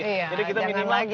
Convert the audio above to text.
jadi kita minimal